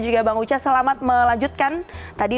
juga bang uca selamat melanjutkan tadi